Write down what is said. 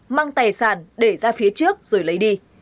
mang tài sản để ra phía trước rồi lấy đi